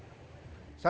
batang kayu besar